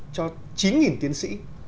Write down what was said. cho chín tiến sĩ